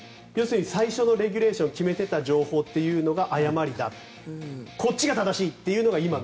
最初のレギュレーション決めていた情報が誤りだこっちが正しいというのが今の。